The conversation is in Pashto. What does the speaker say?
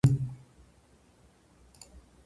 باداران یې د مرګ له ویرې تښتېدل.